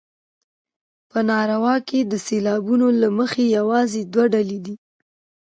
په نارو کې د سېلابونو له مخې یوازې دوه ډوله دي.